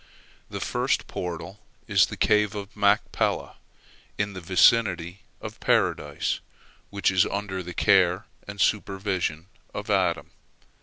The first portal is the Cave of Machpelah, in the vicinity of Paradise, which is under the care and supervision of Adam.